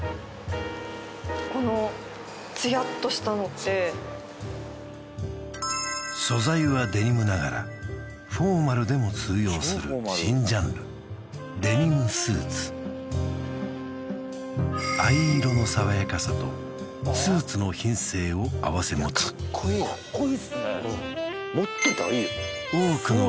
このツヤっとしたのって素材はデニムながらフォーマルでも通用する新ジャンルデニムスーツ藍色の爽やかさとスーツの品性を併せ持ちカッコいいのよカッコいいっすね